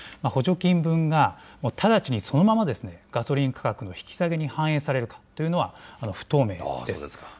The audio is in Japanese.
補助金分が直ちにそのままガソリン価格の引き下げに反映されるかというのは不透明です。